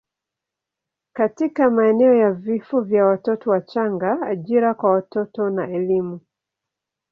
katika maeneo ya vifo vya watoto wachanga, ajira kwa watoto na elimu.